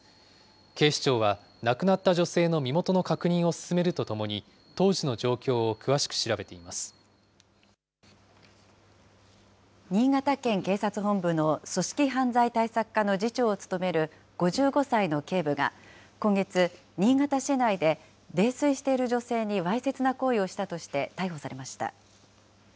警視庁は、亡くなった女性の身元の確認を進めるとともに、当時の新潟県警察本部の組織犯罪対策課の次長を務める５５歳の警部が、今月、新潟市内で泥酔している女性にわいせつな行為をしたとして、逮捕されました。